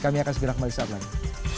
kami akan segera kembali setelah ini